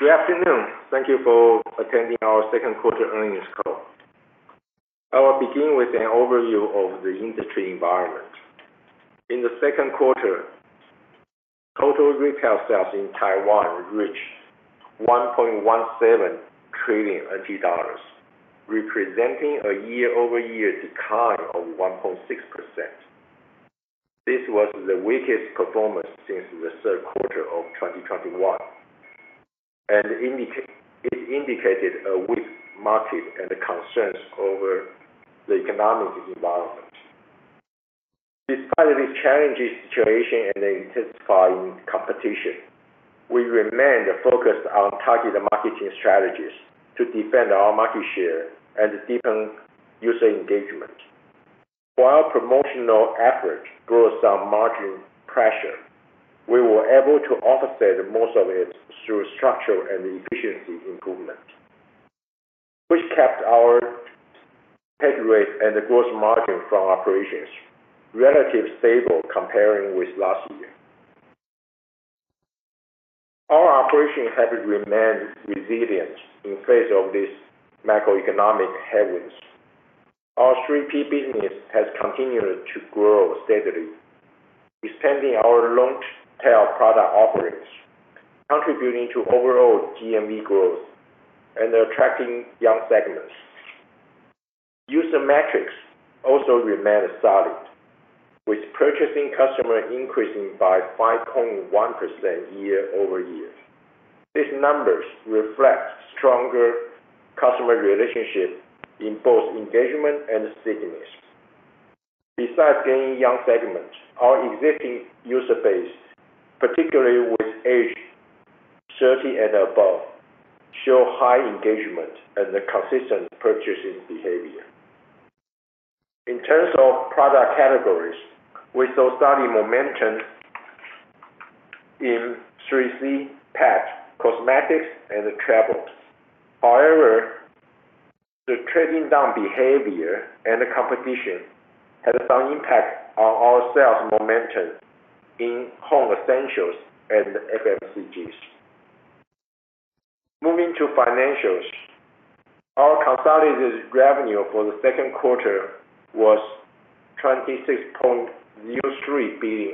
Good afternoon. Thank you for attending our second quarter earnings call. I will begin with an overview of the industry environment. In the second quarter, total retail sales in Taiwan reached NT$1.17 trillion, representing a year-over-year decline of 1.6%. This was the weakest performance since the third quarter of 2021, and it indicated a weak market and concerns over the economic environment. Despite the challenging situation and the intensifying competition, we remained focused on targeted marketing strategies to defend our market share and deepen user engagement. While promotional efforts brought some margin pressure, we were able to offset most of it through structural and efficiency improvements, which kept our headcount and the gross margin from operations relatively stable compared with last year. Our operations have remained resilient in the face of these macroeconomic headwinds. Our 3P business has continued to grow steadily, extending our long-tail product offerings, contributing to overall GMV growth, and attracting young segments. User metrics also remain solid, with active purchasing customers increasing by 5.1% year over year. These numbers reflect stronger customer relationships in both engagement and stickiness. Besides gaining young segments, our existing user base, particularly with age 30 and above, shows high engagement and consistent purchasing behavior. In terms of product categories, we saw steady momentum in 3C, pets, cosmetics, and travel. However, the trading down behavior and competition had some impact on our sales momentum in home essentials and FMCG. Moving to financials, our consolidated revenue for the second quarter was NT$26.03 billion,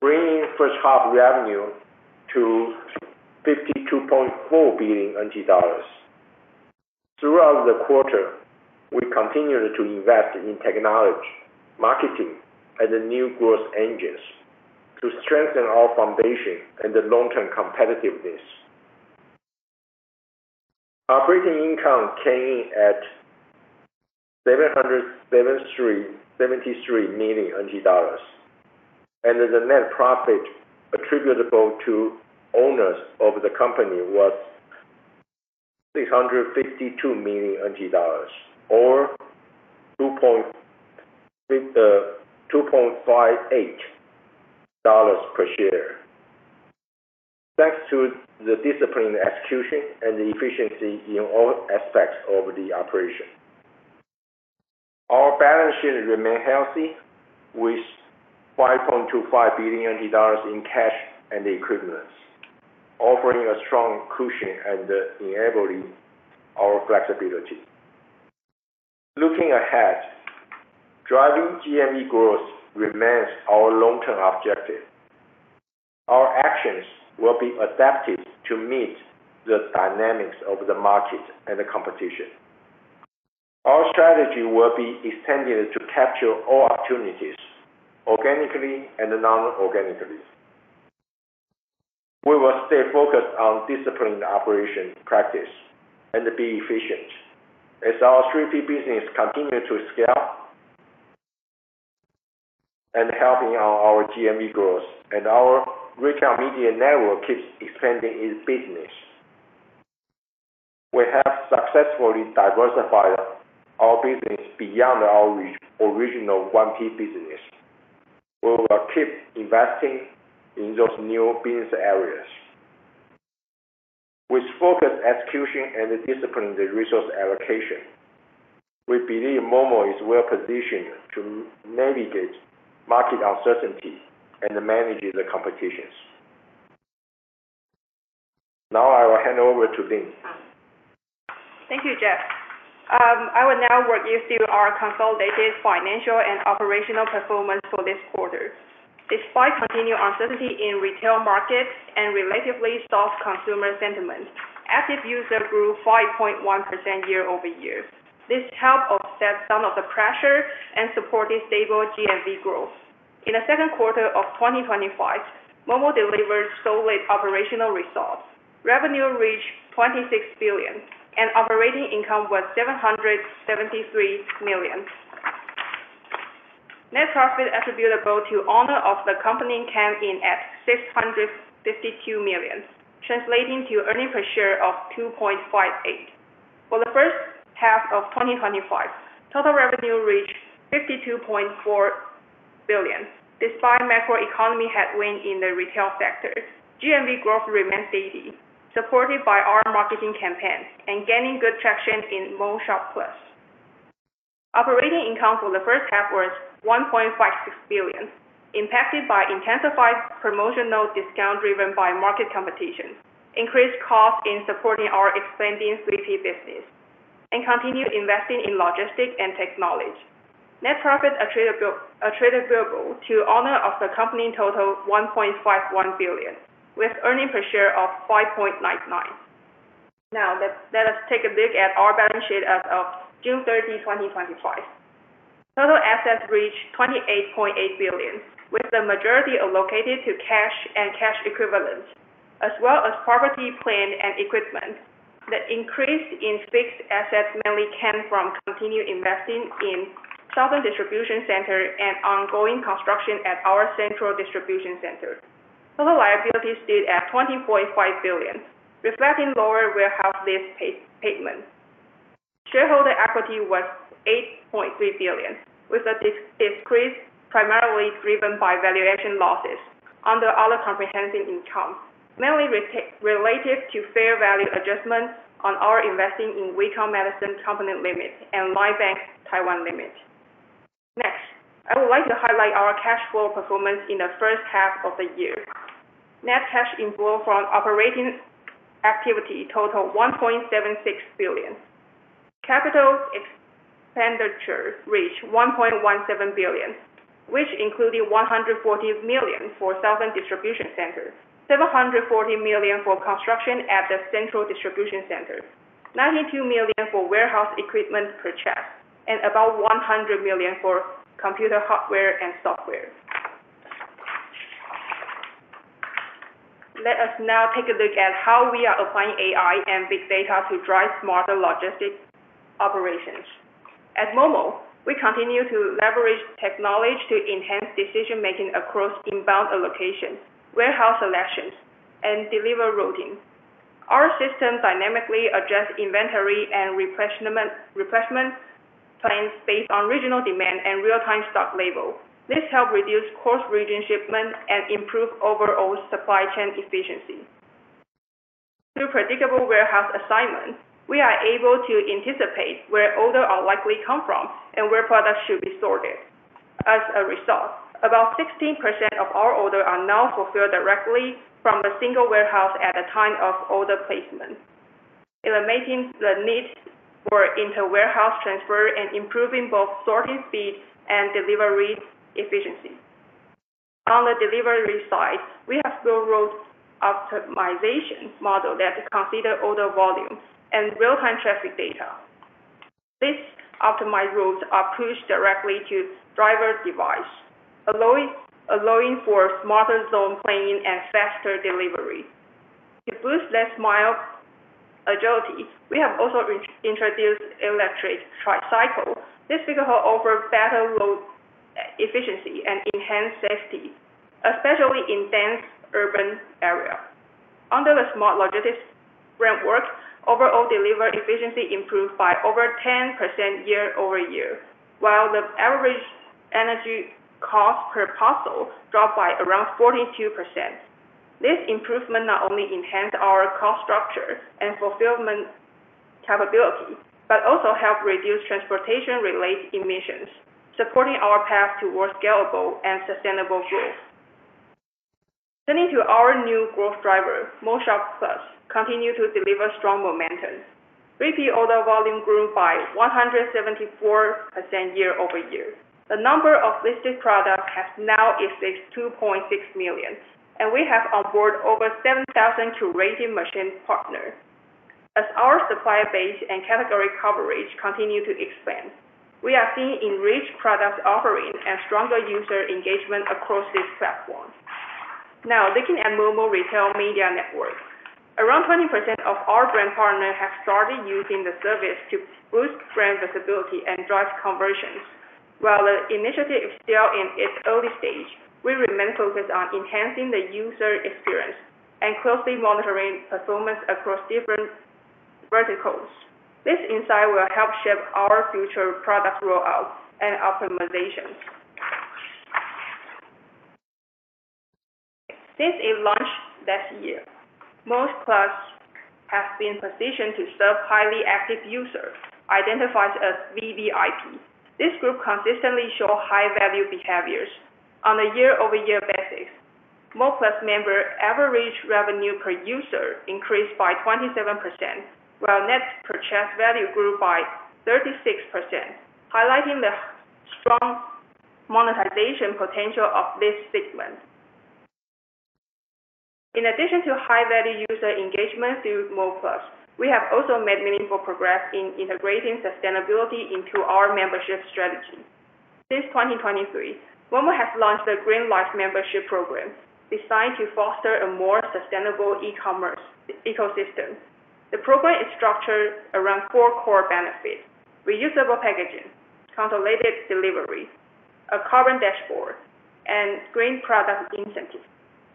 bringing first half revenue to NT$52.4 billion. Throughout the quarter, we continued to invest in technology, marketing, and new growth engines to strengthen our foundation and the long-term competitiveness. Operating income came in at NT$773.73 million, and the net profit attributable to owners of the company was NT$652 million, or NT$2.58 per share, thanks to the disciplined execution and the efficiency in all aspects of the operation. Our balance sheet remained healthy, with NT$5.25 billion in cash and equivalents, offering a strong cushion and enabling our flexibility. Looking ahead, driving GMV growth remains our long-term objective. Our actions will be adapted to meet the dynamics of the market and the competition. Our strategy will be extended to capture all opportunities, organically and non-organically. We will stay focused on disciplined operations practice and be efficient as our 3P business continues to scale and helping our GMV growth, and our retail media network keeps expanding its business. We have successfully diversified our business beyond our original 1P business. We will keep investing in those new business areas with focused execution and disciplined resource allocation. We believe Momo is well positioned to navigate market uncertainty and manage the competition. Now I will hand over to Lynn. Thank you, Jeff. I will now walk you through our consolidated financial and operational performance for this quarter. Despite continued uncertainty in the retail market and relatively soft consumer sentiment, active users grew 5.1% year over year. This helped offset some of the pressure and supported stable GMV growth. In the second quarter of 2025, Momo delivered solid operational results. Revenue reached NT$26 billion, and operating income was NT$773 million. Net profit attributable to owners of the company came in at NT$652 million, translating to earnings per share of NT$2.58. For the first half of 2025, total revenue reached NT$52.4 billion. Despite the macroeconomic headwind in the retail sector, GMV growth remained steady, supported by our marketing campaigns and gaining good traction in Momo Shop Plus. Operating income for the first half was NT$1.56 billion, impacted by intensified promotional discounts driven by market competition, increased costs in supporting our expanding 3P business, and continued investing in logistics and technology. Net profit attributable to owners of the company totaled NT$1.51 billion, with earnings per share of NT$5.99. Now, let us take a look at our balance sheet as of June 30, 2025. Total assets reached NT$28.8 billion, with the majority allocated to cash and cash equivalents, as well as property, plants, and equipment. The increase in fixed assets mainly came from continued investing in Southern Distribution Center and ongoing construction at our Central Distribution Center. Total liabilities stood at NT$20.5 billion, reflecting lower warehouse lease payments. Shareholder equity was NT$8.3 billion, with a decrease primarily driven by valuation losses under other comprehensive income, mainly related to fair value adjustments on our investing in Wacom Medicine Company Ltd and Lifebank Taiwan Ltd. Next, I would like to highlight our cash flow performance in the first half of the year. Net cash inflow from operating activity totaled NT$1.76 billion. Capital expenditure reached NT$1.17 billion, which included NT$140 million for Southern Distribution Center, NT$740 million for construction at the Central Distribution Center, NT$92 million for warehouse equipment purchase, and about NT$100 million for computer hardware and software. Let us now take a look at how we are applying AI and big data to drive smarter logistics operations. At Momo, we continue to leverage technology to enhance decision-making across inbound allocation, warehouse selection, and delivery routing. Our system dynamically adjusts inventory and replenishment plans based on regional demand and real-time stock levels. This helps reduce cross-region shipments and improves overall supply chain efficiency. Through predictable warehouse assignment, we are able to anticipate where orders are likely to come from and where products should be sorted. As a result, about 16% of our orders are now fulfilled directly from the single warehouse at the time of order placement. It maintains the need for inter-warehouse transfer and improves both sorting speed and delivery efficiency. On the delivery side, we have a road optimization model that considers order volume and real-time traffic data. This optimized route is pushed directly to the driver's device, allowing for smarter zone planning and faster delivery. To boost that mileage agility, we have also introduced an electric tricycle. This vehicle offers better load efficiency and enhances safety, especially in dense urban areas. Under the smart logistics framework, overall delivery efficiency improved by over 10% year over year, while the average energy cost per parcel dropped by around 42%. This improvement not only enhances our cost structure and fulfillment capability but also helps reduce transportation-related emissions, supporting our path towards scalable and sustainable growth. Turning to our new growth driver, Momo Shop Plus continues to deliver strong momentum. Repeat order volume grew by 174% year over year. The number of listed products has now exceeded 2.6 million, and we have onboarded over 7,000 curated machine partners. As our supply base and category coverage continue to expand, we are seeing enriched product offerings and stronger user engagement across this platform. Now, looking at Momo's retail media network, around 20% of our brand partners have started using the service to boost brand visibility and drive conversions. While the initiative is still in its early stage, we remain focused on enhancing the user experience and closely monitoring performance across different verticals. This insight will help shape our future product rollout and optimizations. Since it launched last year, Momo Plus has been positioned to serve highly active users, identified as VVIP. This group consistently shows high-value behaviors on a year-over-year basis. Momo Plus members' average revenue per user increased by 27%, while net purchase value grew by 36%, highlighting the strong monetization potential of this segment. In addition to high-value user engagement through Momo Plus, we have also made meaningful progress in integrating sustainability into our membership strategy. Since 2023, Momo has launched the GreenLife membership program, designed to foster a more sustainable e-commerce ecosystem. The program is structured around four core benefits: reusable packaging, consolidated delivery, a carbon dashboard, and green product incentives,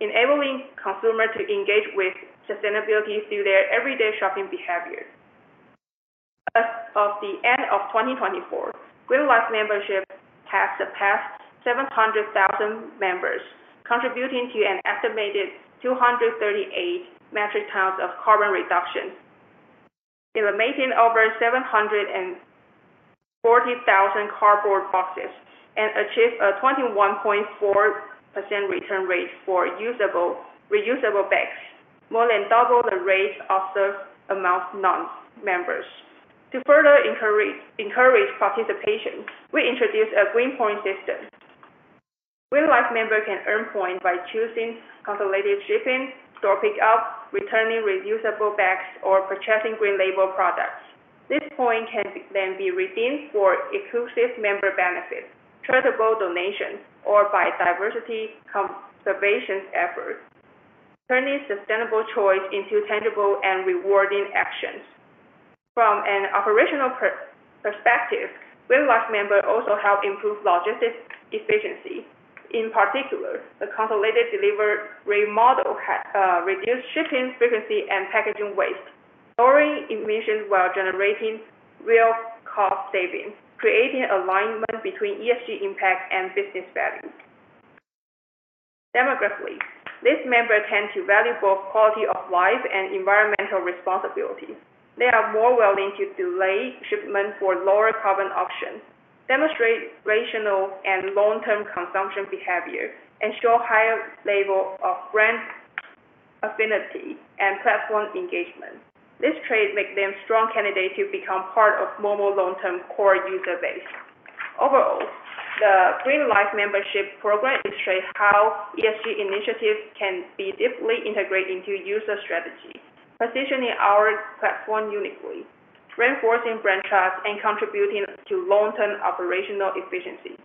enabling consumers to engage with sustainability through their everyday shopping behavior. As of the end of 2024, GreenLife membership has surpassed 700,000 members, contributing to an estimated 238 metric tons of carbon reduction. It maintains over 740,000 cardboard boxes and achieves a 21.4% return rate for reusable bags, more than doubling the rate of service amongst non-members. To further encourage participation, we introduced a GreenPoint system. GreenLife members can earn points by choosing consolidated shipping, store pickup, returning reusable bags, or purchasing green labeled products. These points can then be redeemed for exclusive member benefits, charitable donations, or biodiversity conservation efforts, turning sustainable choices into tangible and rewarding actions. From an operational perspective, GreenLife members also help improve logistics efficiency. In particular, the consolidated delivery model reduces shipping frequency and packaging waste, lowering emissions while generating real cost savings, creating alignment between ESG impact and business value. Demographically, these members tend to value both quality of life and environmental responsibility. They are more willing to delay shipment for lower carbon options, demonstrate rational and long-term consumption behaviors, and show a higher level of brand affinity and platform engagement. This trait makes them a strong candidate to become part of Momo's long-term core user base. Overall, the GreenLife membership program illustrates how ESG initiatives can be deeply integrated into user strategies, positioning our platform uniquely, reinforcing franchise, and contributing to long-term operational efficiency.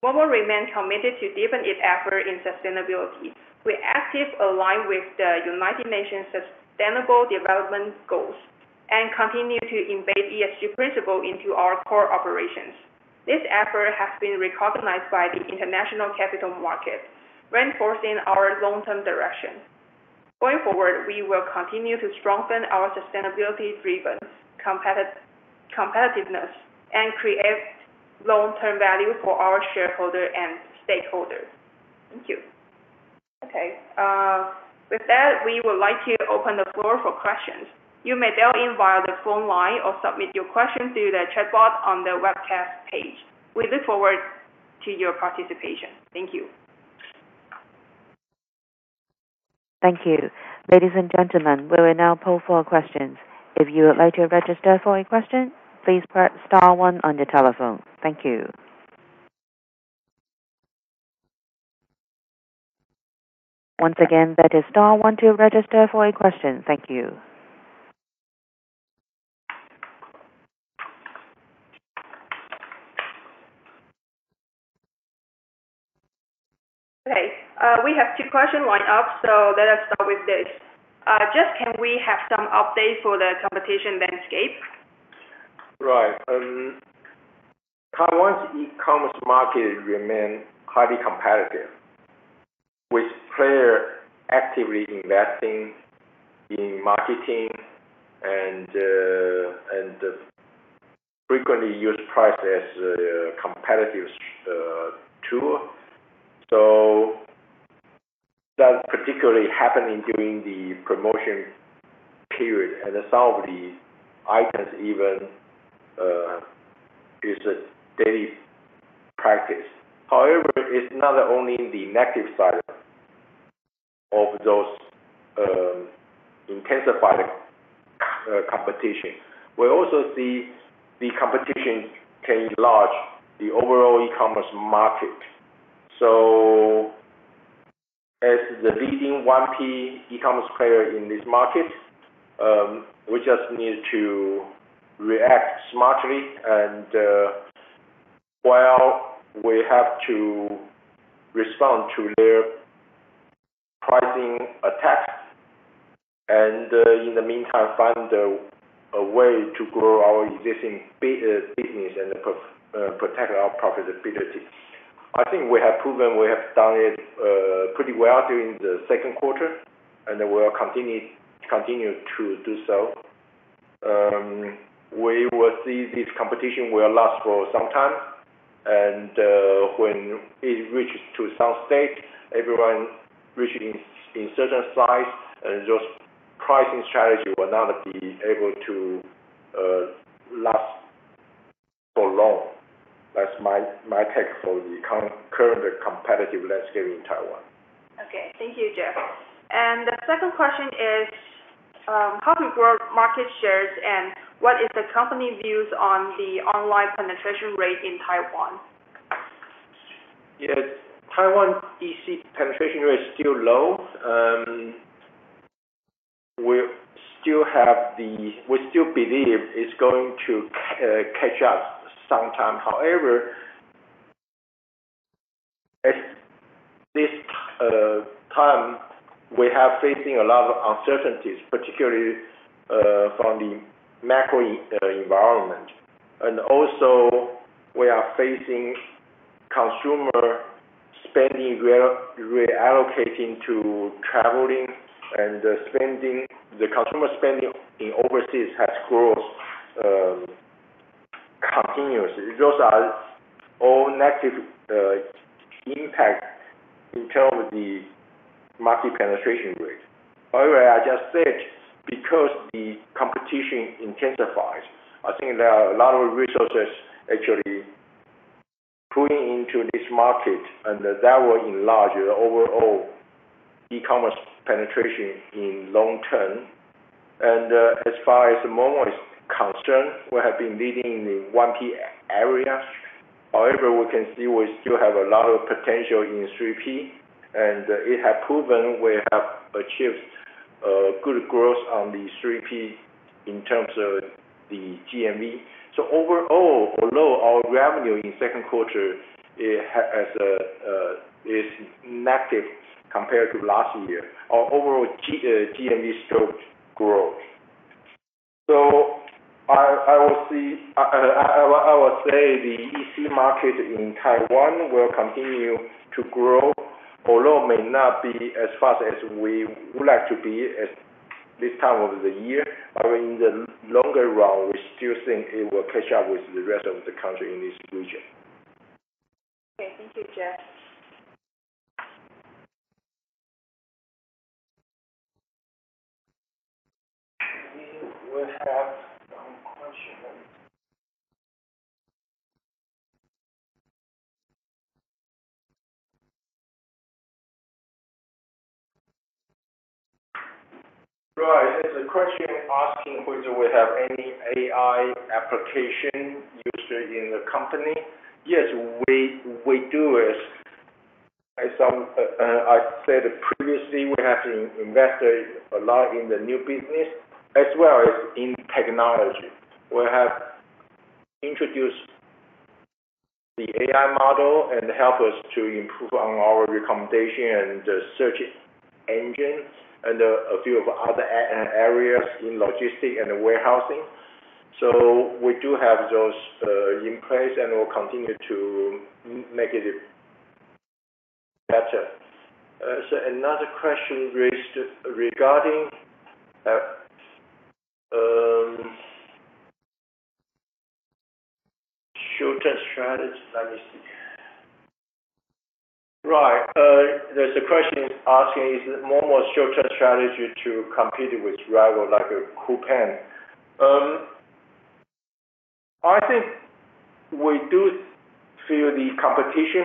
Momo remains committed to deepening its efforts in sustainability. We actively align with the United Nations Sustainable Development Goals and continue to embed ESG principles into our core operations. This effort has been recognized by the international capital market, reinforcing our long-term direction. Going forward, we will continue to strengthen our sustainability-driven competitiveness and create long-term value for our shareholders and stakeholders. Thank you. With that, we would like to open the floor for questions. You may dial in via the phone line or submit your questions through the chatbot on the webcast page. We look forward to your participation. Thank you. Thank you. Ladies and gentlemen, we will now poll for our questions. If you would like to register for a question, please press star one on your telephone. Thank you. Once again, that is star one to register for a question. Thank you. Okay. We have two questions lined up, so let us start with this. Jeff, can we have some updates for the competition landscape? Right. Taiwan's e-commerce market remains highly competitive, with players actively investing in marketing and frequently use prices as a competitive tool. That's particularly happening during the promotion period, and some of the items even use steady practice. However, it's not only in the negative side of those intensified competitions. We also see the competition can enlarge the overall e-commerce market. As the leading 1P e-commerce player in this market, we just need to react smartly while we have to respond to their pricing attacks and, in the meantime, find a way to grow our existing business and protect our profitability. I think we have proven we have done it pretty well during the second quarter, and we will continue to do so. We will see this competition will last for some time, and when it reaches to some state, everyone reaches a certain size, and those pricing strategies will not be able to last for long. That's my take on the current competitive landscape in Taiwan. Okay. Thank you, Jeff. The second question is, how do you grow market shares and what is the company views on the online penetration rate in Taiwan? Yes. Taiwan's EC penetration rate is still low. We still believe it's going to catch up sometime. However, at this time, we are facing a lot of uncertainties, particularly from the macro environment. We are also facing consumer spending reallocating to traveling, and the consumer spending overseas has grown continuously. Those are all negative impacts in terms of the market penetration rate. However, as I just said, because the competition intensifies, I think there are a lot of resources actually pooling into this market, and that will enlarge the overall e-commerce penetration in the long term. As far as Momo is concerned, we have been leading in the 1P area. However, we can see we still have a lot of potential in 3P, and it has proven we have achieved good growth on the 3P in terms of the GMV. Overall, although our revenue in the second quarter is negative compared to last year, our overall GMV still grows. I will say the EC market in Taiwan will continue to grow. Although it may not be as fast as we would like to be at this time of the year, in the longer run, we still think it will catch up with the rest of the country in this region. Okay, thank you, Jeff. Right. There's a question asking whether we have any AI application used in the company. Yes, we do. As I said previously, we have invested a lot in the new business as well as in technology. We have introduced the AI model and helped us to improve on our recommendation and search engine and a few other areas in logistics and warehousing. We do have those in place and will continue to make it better. Another question regarding short-term strategy. Let me see. Right. There's a question asking, is Momo's short-term strategy to compete with rivals like Coupang? I think we do feel the competition,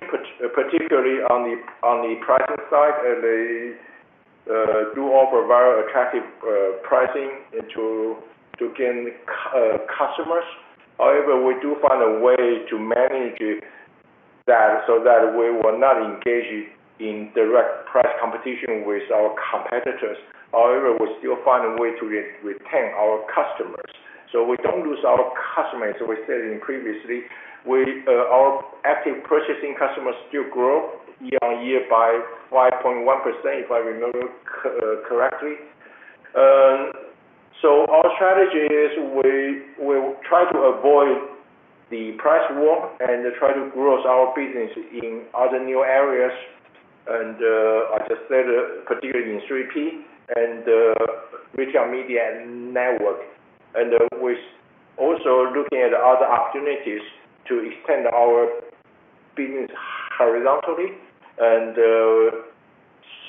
particularly on the pricing side, and they do offer very attractive pricing to gain customers. However, we do find a way to manage that so that we will not engage in direct price competition with our competitors. However, we still find a way to retain our customers so we don't lose our customers. As we said previously, our active purchasing customers still grow year on year by 5.1% if I remember correctly. Our strategy is we will try to avoid the price war and try to grow our business in other new areas, particularly in 3P and the retail media network, and we're also looking at other opportunities to extend our business horizontally.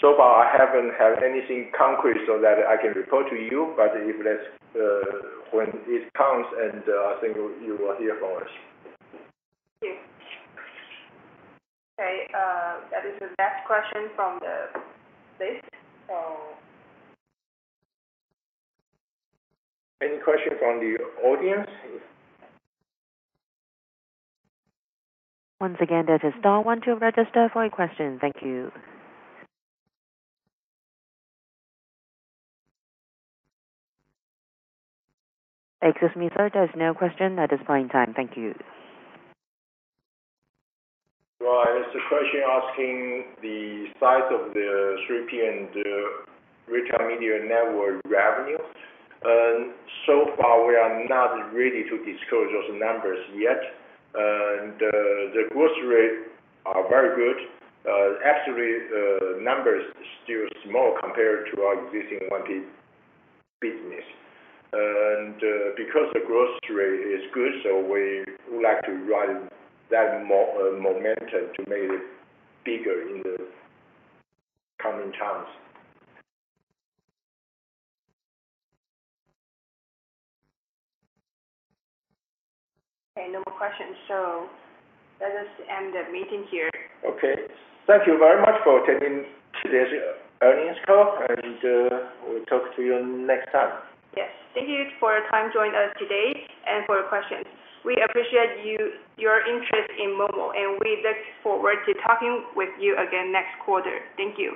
So far, I haven't had anything concrete so that I can report to you, but if that's when this comes, I think you will hear from us. Okay, that is the last question from the list. Any questions from the audience? Once again, that is star one to register for a question. Thank you. Excuse me, sir. There's no question at this point in time. Thank you. Right. It's a question asking the size of the 3P and the retail media network revenue. So far, we are not ready to disclose those numbers yet. The growth rates are very good. Actually, the numbers are still small compared to our existing 1P business. Because the growth rate is good, we would like to run that momentum to make it bigger in the coming times. Okay, no more questions. Let us end the meeting here. Okay. Thank you very much for attending today's earnings call, and we'll talk to you next time. Yes. Thank you for your time joining us today and for your questions. We appreciate your interest in Momo, and we look forward to talking with you again next quarter. Thank you.